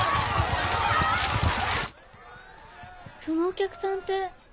そのお客さんて。